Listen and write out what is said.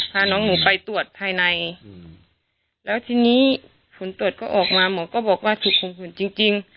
พาน้องหนูไปตรวจภายในแล้วทีนี้ผลตรวจก็ออกมาหมอก็บอกว่าถูกข่มขืนจริง